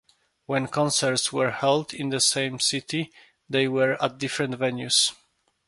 When concerts were held in the same city, they were at different venues.